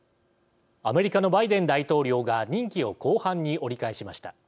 アメリカのバイデン大統領が任期を後半に折り返しました。